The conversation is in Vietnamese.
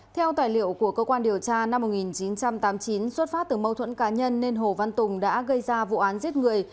theo tài liệu của cơ quan điều tra năm một nghìn chín trăm tám mươi chín xuất phát từ mâu thuẫn cá nhân nên hồ văn tùng đã gây ra vụ án giết người